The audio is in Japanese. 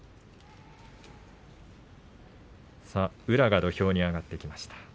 宇良が土俵に上がってきました。